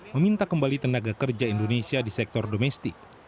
meminta kembali tenaga kerja indonesia di sektor domestik